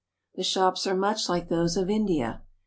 The shops are much like those of India.